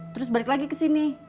terus balik lagi ke sini